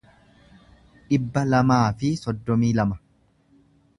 dhibba lamaa fi soddomii lama